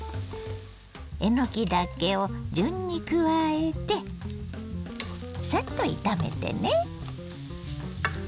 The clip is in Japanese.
えのきだけを順に加えてサッと炒めてね。